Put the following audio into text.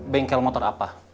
bengkel motor apa